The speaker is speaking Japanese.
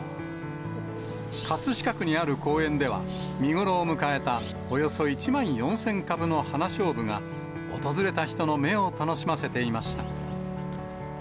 葛飾区にある公園では、見頃を迎えたおよそ１万４０００株の花しょうぶが、訪れた人の目を楽しませていました。